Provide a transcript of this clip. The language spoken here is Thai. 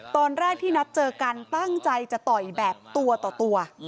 ตอนแรกที่นัดเจอกันตั้งใจจะต่อยแบบตัวต่อตัว